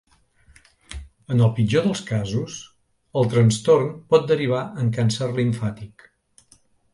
En el pitjor dels casos el trastorn pot derivar en càncer limfàtic.